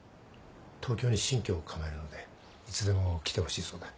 東京に新居を構えるのでいつでも来てほしいそうだ。